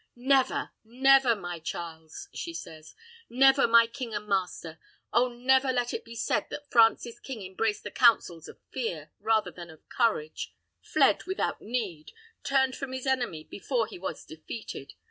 "Never, never, my Charles!" she says. "Never, my king and master! Oh, never let it be said that France's king embraced the counsels of fear, rather than of courage; fled without need turned from his enemy before he was defeated!